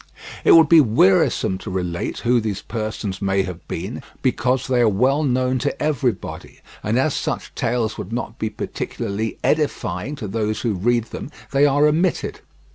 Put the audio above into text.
It would be wearisome to relate who these persons may have been because they are well known to everybody, and, as such tales would not be particularly edifying to those who read them, they are omitted.